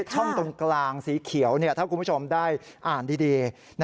ช่องตรงกลางสีเขียวถ้าคุณผู้ชมได้อ่านดี